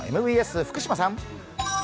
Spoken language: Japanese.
ＭＢＳ福島さん。